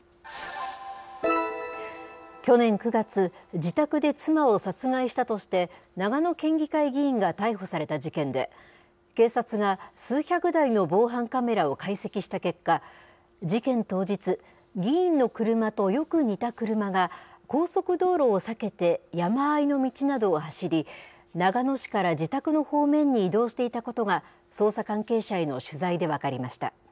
去年９月、自宅で妻を殺害したとして、長野県議会議員が逮捕された事件で、警察が数百台の防犯カメラを解析した結果、事件当日、議員の車とよく似た車が高速道路を避けて、山あいの道などを走り、長野市から自宅の方面に移動していたことが、捜査関係者への取材で分かりました。